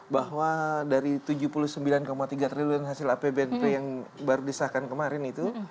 bahwa dari tujuh puluh sembilan tiga triliun hasil apbnp yang baru disahkan kemarin itu